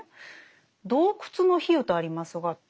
「洞窟の比喩」とありますが。